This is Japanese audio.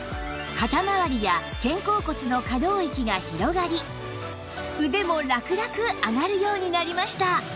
肩まわりや肩甲骨の可動域が広がり腕もラクラク上がるようになりました